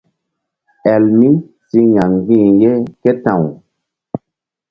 Elmi si ya̧ mgbi̧h ye ké ta̧w.